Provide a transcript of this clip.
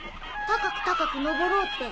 高く高く上ろうって。